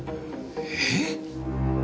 えっ？